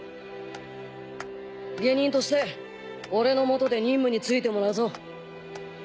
下忍として俺の下で任務に就いてもらうぞ。